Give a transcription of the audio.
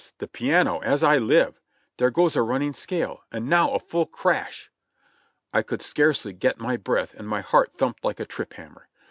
the piano, as I live ! There goes a running scale, and now a full crash !" 1 could scarcely get my breath and my heart thumped like a trip hammer.